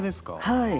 はい。